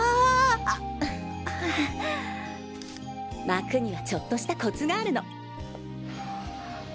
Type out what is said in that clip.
巻くにはちょっとしたコツがあるの。